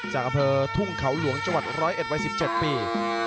จากกระเพอทุ่งเขาหลวงจร้อยเอ็ดวัย๑๗ปี